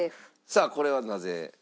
さあこれはなぜ？